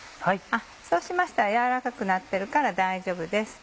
そうしましたら軟らかくなってるから大丈夫です。